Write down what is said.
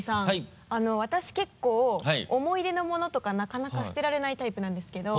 私結構思い出のものとかなかなか捨てられないタイプなんですけど。